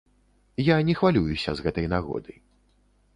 Я не хвалююся з гэтай нагоды.